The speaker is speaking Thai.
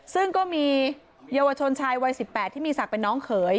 ซึ่งก็มีเยาวชนชายวัย๑๘ที่มีศักดิ์เป็นน้องเขย